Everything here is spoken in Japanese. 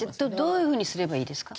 どういう風にすればいいですか？